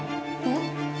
えっ？